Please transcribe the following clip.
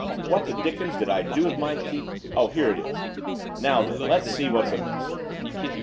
What the dickens did I do with my key? Oh, here it is. Now, then, let's see what's amiss."